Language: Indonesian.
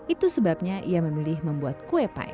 itu sebabnya ia memilih membuat kue pie